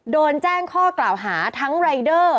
โดนแจ้งข้อกล่าวหาทั้งรายเดอร์